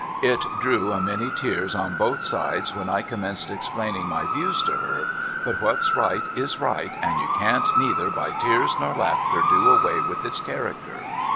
It drew a many tears on both sides when I commenced explaining my views to her ; but what's right is right, and you can't neither by tears nor laughter do away with its character.